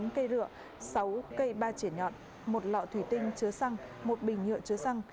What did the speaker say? tám cây rượu sáu cây ba chỉa nhọt một lọ thủy tinh chứa xăng một bình nhựa chứa xăng